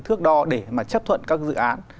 thước đo để mà chấp thuận các dự án